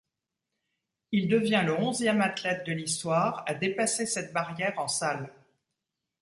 Il devient le onzième athlète de l'histoire à dépasser cette barrière en salle.